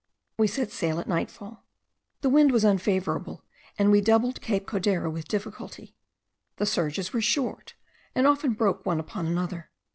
We set sail at night fall. The wind was unfavourable, and we doubled Cape Codera with difficulty. The surges were short, and often broke one upon another.